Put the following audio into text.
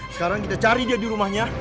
sekarang kita cari dia di rumahnya